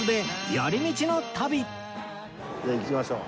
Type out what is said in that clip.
じゃあ行きましょう。